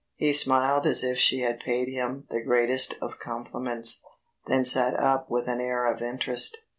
He smiled as if she had paid him the greatest of compliments, then sat up with an air of interest.